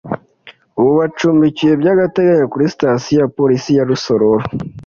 ubu bacumbikiwe by’agateganyo kuri Sitasion ya Polisi ya Rusororo